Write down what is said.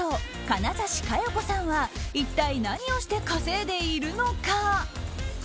金指加代子さんは一体、何をして稼いでいるのか。